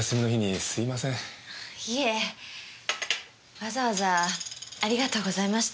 わざわざありがとうございました。